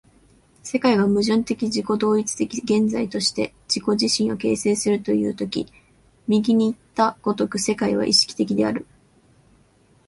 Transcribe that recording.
世界が矛盾的自己同一的現在として自己自身を形成するという時右にいった如く世界は意識的である。